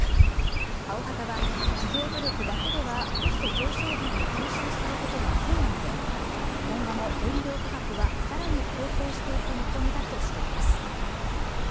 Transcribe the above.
アヲハタは企業努力だけではコスト上昇分を吸収することが困難で今後も原料価格は更に高騰していく見込みだとしています。